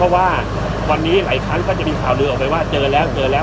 ว่าวันนี้หลายครั้งก็จะมีข่าวลือออกไปว่าเจอแล้วเจอแล้ว